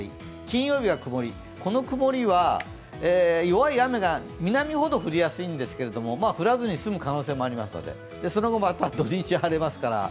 金曜日は曇り、この曇りは弱い雨が南ほど降りやすいんですけど降らずに済む可能性もありますのでその後もまた土日、晴れますから。